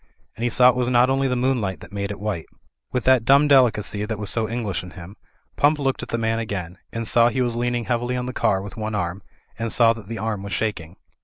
And he saw it was not only the moonlight that made it white. With that dumb delicacy that was so English in him. Pump looked at the man again, and saw he was leaning heavily on the car with one arm, and saw that the arm was shaking.